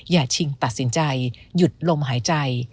ชิงตัดสินใจหยุดลมหายใจ